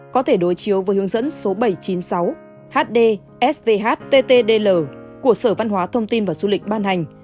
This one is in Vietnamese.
có thể đối chiếu với hướng dẫn số bảy trăm chín mươi sáu hd svh ttdl của sở văn hóa thông tin và xu lịch ban hành